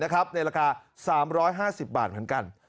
ในราคา๓๕๐บาทเหมือนกัน